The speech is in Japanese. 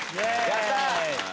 やったー！